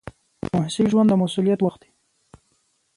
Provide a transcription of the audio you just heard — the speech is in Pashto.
د محصل ژوند د مسؤلیت وخت دی.